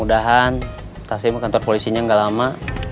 tahan tasnya sama kantor polisinya enggak lama